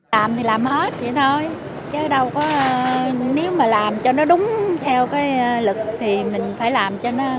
làm thì làm hết vậy thôi chứ đâu có nếu mà làm cho nó đúng theo cái lực thì mình phải làm cho nó gọn ghẻ lại hết